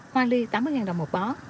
hoa ly tám mươi đồng một bó